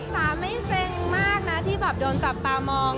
จ๋าไม่เซ็งมากนะที่แบบโดนจับตามอง